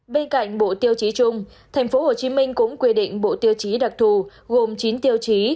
bên cạnh bộ tiêu chí chung tp hcm cũng quy định bộ tiêu chí đặc thù gồm chín tiêu chí